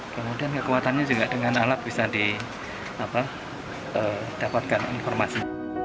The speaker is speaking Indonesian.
kemudian kekuatannya juga dengan alat bisa didapatkan informasi